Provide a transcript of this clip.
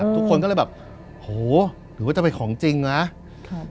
ทุกคนก็เลยแบบโอ้โหหรือว่าจะเป็นของจริงหรือเปล่า